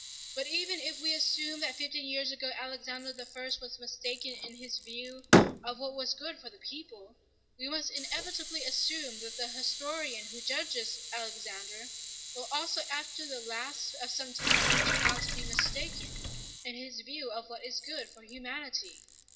But even if we assume that fifty years ago Alexander I was mistaken in his view of what was good for the people, we must inevitably assume that the historian who judges Alexander will also after the lapse of some time turn out to be mistaken in his view of what is good for humanity.